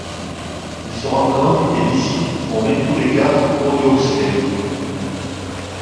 Ils se rencontrent et décident de former tous les quatre Audioslave.